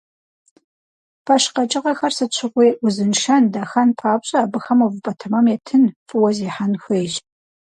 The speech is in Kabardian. Пэш къэкӏыгъэхэр сыт щыгъуи узыншэн, дахэн папщӏэ, абыхэм увыпӏэ тэмэм етын, фӏыуэ зехьэн хуейщ.